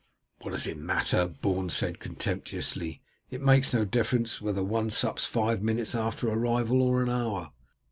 "What does it matter?" Beorn said contemptuously. "It makes no difference whether one sups five minutes after arrival or an hour."